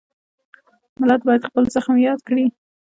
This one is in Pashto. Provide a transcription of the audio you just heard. ملت باید خپل زخم یاد کړي.